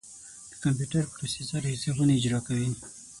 د کمپیوټر پروسیسر حسابونه اجرا کوي.